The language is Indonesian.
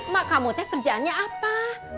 mak kamu teh kerjaannya apa